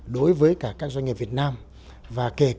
đối với các doanh nghiệp việt nam và kể cả các cơ quan quản lý nhà nước